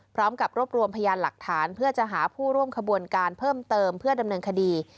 พร้อมกับรวบรวมพยานหลักฐานเพื่อจะหาผู้ร่วมขบวนการเพิ่มเติมเพื่อดำเนินคดี